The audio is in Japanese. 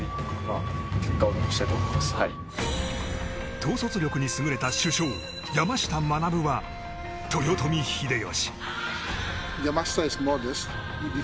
統率力に優れた主将、山下学は豊臣秀吉。